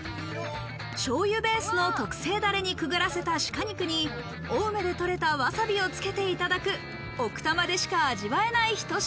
醤油ベースの特製ダレにくぐらせた鹿肉に、青梅で取れたわさびをつけていただく奥多摩でしか味わえないひと品。